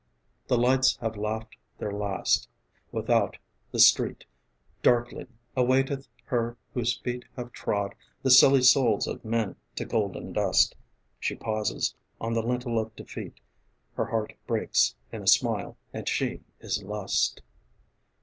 The lights have laughed their last; without, the street Darkling, awaiteth her whose feet have trod The silly souls of men to golden dust. She pauses, on the lintel of defeat, Her heart breaks in a smile and she is Lust